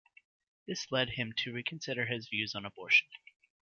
This led him to reconsider his views on abortion.